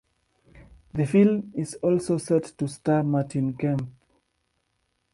The film is also set to star Martin Kemp.